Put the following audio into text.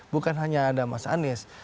bukan hanya ada mas anies